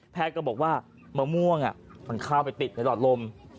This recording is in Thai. ก็บอกว่ามะม่วงมันเข้าไปติดในหลอดลม